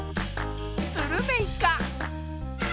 スルメイカ。